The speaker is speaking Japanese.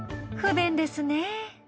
不便ですね。